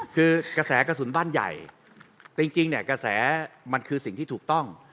คือกระแสกระสุนบ้านใหญ่จริงเนี่ยกระแสมันคือสิ่งที่ถูกต้อง